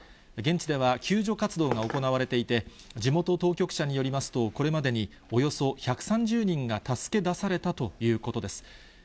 現地では救助活動が行われていて、地元当局者によりますと、これまでにおよそ１３０人が助け出されたということです。